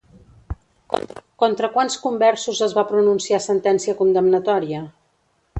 Contra quants conversos es va pronunciar sentència condemnatòria?